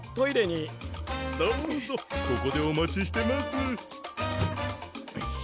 どうぞここでお待ちしてます。